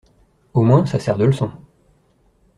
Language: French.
Au moins, ça sert de leçon.